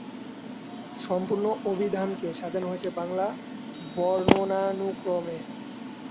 সম্পূর্ণ অভিধানকে সাজানো হয়েছে বাংলা বর্ণানুক্রমে।